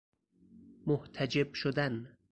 محتجب شدن